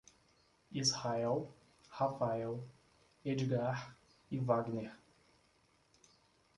Israel, Rafael, Edgar e Wagner